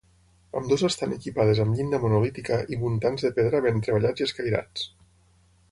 Ambdues estan equipades amb llinda monolítica i muntants de pedra ben treballats i escairats.